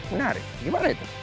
menarik gimana itu